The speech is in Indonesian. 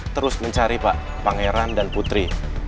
terus mencari pak pangeran dan putri